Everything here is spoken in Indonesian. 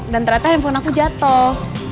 dan ternyata handphone aku jatoh